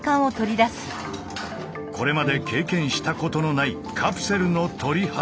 これまで経験したことのないカプセルの取り外し。